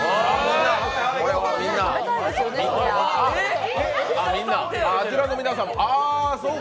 これはみんな、あちらの皆さんも。